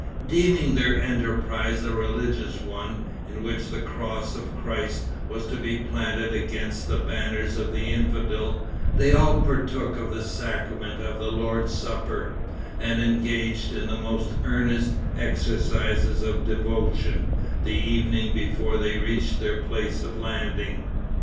Deeming their enterprise a religious one, in which the cross of Christ was to be planted against the banners of the infidel, they all partook of the sacrament of the Lord's Supper, and engaged in the most earnest exercises of devotion the evening before they reached their place of landing.